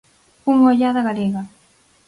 Unha ollada galega.